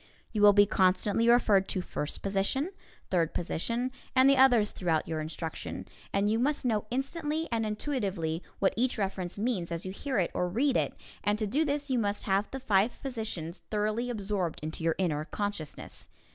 You will be constantly referred to "first position," "third position," and the others throughout your instruction, and you must know instantly and intuitively what each reference means as you hear it or read it, and to do this you must have the five position thoroughly absorbed into your inner consciousness.